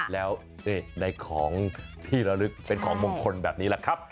แล้วได้ของที่ระลึกเป็นของมงคลแบบนี้แหละครับ